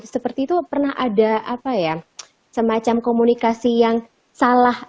seperti itu pernah ada semacam komunikasi yang salah